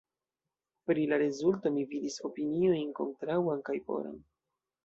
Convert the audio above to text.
Pri la rezulto mi vidis opiniojn kontraŭan kaj poran.